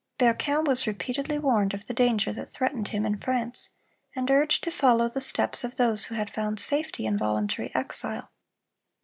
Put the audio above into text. Berquin was repeatedly warned of the danger that threatened him in France, and urged to follow the steps of those who had found safety in voluntary exile.